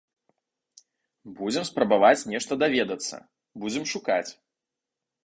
Будзем спрабаваць нешта даведацца, будзем шукаць.